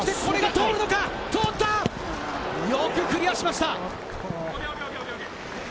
よくクリアしました！